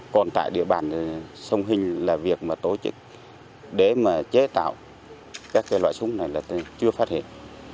còn tại địa bàn sông hinh là việc mà tổ chức để mà chế tạo các loại súng này là chưa phát hiện